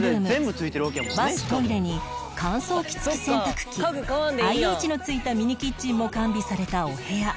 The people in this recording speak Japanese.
バストイレに乾燥機付き洗濯機 ＩＨ の付いたミニキッチンも完備されたお部屋